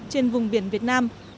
trên vùng biển việt nam